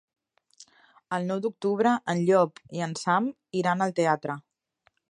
El nou d'octubre en Llop i en Sam iran al teatre.